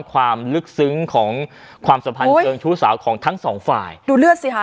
ความลึกซึ้งของความสัมพันธ์เชิงชู้สาวของทั้งสองฝ่ายดูเลือดสิค่ะ